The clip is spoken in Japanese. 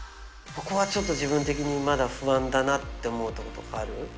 ここはちょっと自分的にまだ不安だなって思うところとかある？